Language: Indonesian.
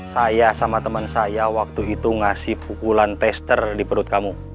saya sama teman saya waktu itu ngasih pukulan tester di perut kamu